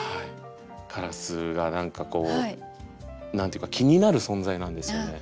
カラスが何かこう何て言うか気になる存在なんですよね。